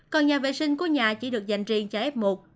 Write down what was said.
còn nhà vệ sinh của nhà chỉ được dành riêng cho f một